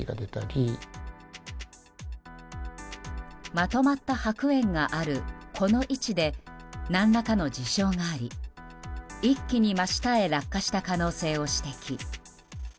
まとまった白煙があるこの位置で、何らかの事象があり一気に真下へ落下した可能性を指摘。